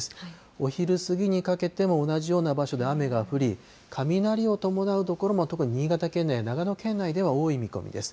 お昼過ぎにかけても同じような場所で雨が降り、雷を伴う所も、特に新潟県内や長野県内では多い見込みです。